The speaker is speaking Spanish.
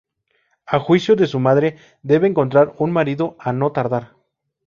A juicio de su madre, debe encontrar un marido a no tardar.